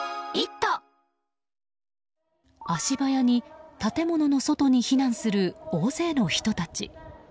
足早に建物の外に避難する大勢の人たち。